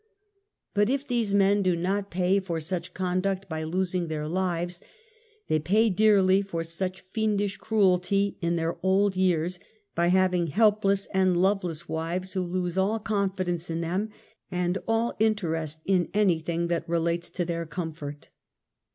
But if these men do not pay for such conduct by losing their lives, they pay dearly for such fiendish cruelty in their old years, by having helpless and loveless wives who lose all confidence in them and all interest in anything that relates to their comfort.